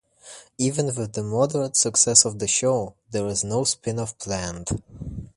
Even with the moderate success of the show, there is no spin-off planned.